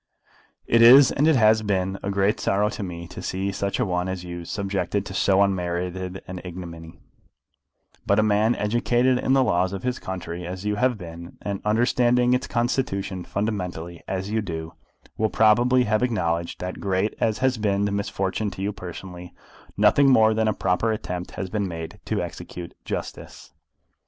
It is, and it has been, a great sorrow to me to see such a one as you subjected to so unmerited an ignominy; but a man educated in the laws of his country, as you have been, and understanding its constitution fundamentally, as you do, will probably have acknowledged that, great as has been the misfortune to you personally, nothing more than a proper attempt has been made to execute justice.